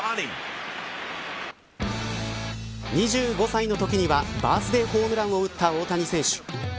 ２５歳のときにはバースデーホームランを打った大谷選手。